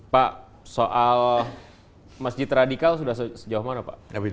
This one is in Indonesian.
pak soal masjid radikal sudah sejauh mana pak